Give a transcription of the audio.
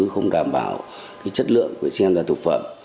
không đảm bảo chất lượng của sinh em ra thực phẩm